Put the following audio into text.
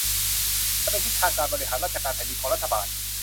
จะเป็นทิศทางการบริหารราชการแผ่นดินของรัฐบาล